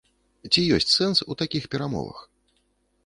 Ці ёсць сэнс у такіх перамовах?